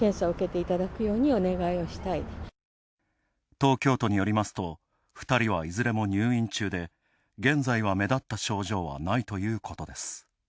東京都によりますと、２人はいずれも入院中で現在は目立った症状はないということです。